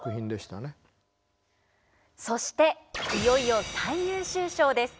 そしていよいよ最優秀賞です。